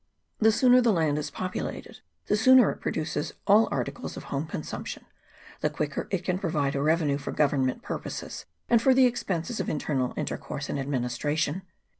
The sooner the land is populated the sooner it pro duces all articles of home consumption, the quicker 10 GENERAL REMARKS. [CHAP. I. it can provide a revenue for Government purposes and for the expenses of internal intercourse and administration.